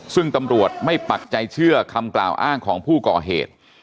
ซึ่งตำรวจไม่ปักใจเชื่อคำกล่าวอ้างของผู้ก่อเหตุ